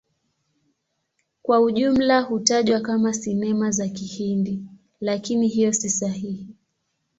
Kwa ujumla hutajwa kama Sinema za Kihindi, lakini hiyo si sahihi.